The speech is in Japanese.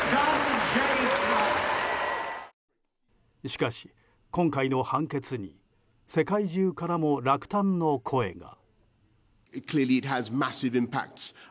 しかし今回の判決に世界中からも落胆の声が。